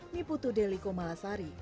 miputu deliko malasari